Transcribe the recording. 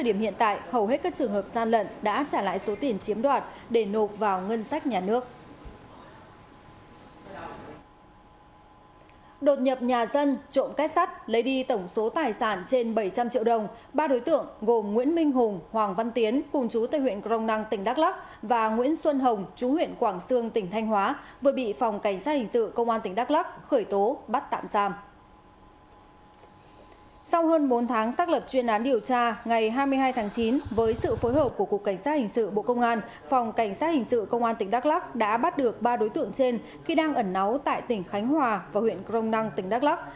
sau hơn bốn tháng xác lập chuyên án điều tra ngày hai mươi hai tháng chín với sự phối hợp của cục cảnh sát hình sự bộ công an phòng cảnh sát hình sự công an tỉnh đắk lắc đã bắt được ba đối tượng trên khi đang ẩn náu tại tỉnh khánh hòa và huyện crong năng tỉnh đắk lắc